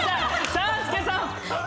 ３助さん！